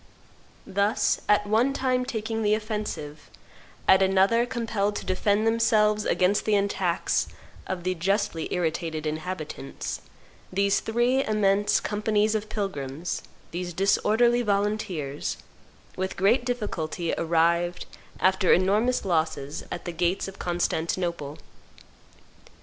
Thus, at one time taking the offensive, at another compelled to defend themselves against the attacks of the justly irritated inhabitants, these three immense companies of pilgrims, these disorderly volunteers, with great difficulty arrived, after enormous losses, at the gates of Constantinople.